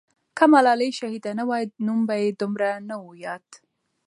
که ملالۍ شهیده نه وای، نوم به یې دومره نه وو یاد.